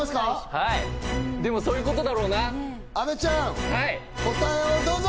はいでもそういうことだろうな阿部ちゃん答えをどうぞ！